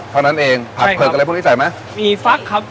เท่านั้นเองผักเผิกอะไรพวกนี้ใส่ไหมมีฟักครับ